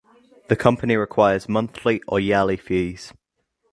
The company requires monthly (or yearly) fees.